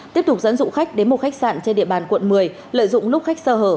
tiếp tục dẫn dụ khách đến một khách sạn trên địa bàn quận một mươi lợi dụng lúc khách sơ hở